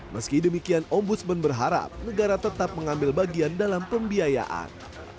meski demikian ombudsman berharap negara tetap mengambil bagian dalam pembiayaan